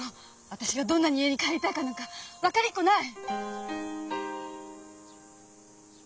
私がどんなに家に帰りたいかなんか分かりっこない！